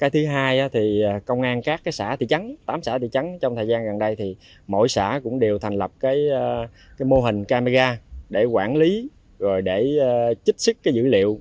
thứ hai công an các xã thị trấn tám xã thị trấn trong thời gian gần đây mỗi xã cũng đều thành lập mô hình camera để quản lý để trích xuất dữ liệu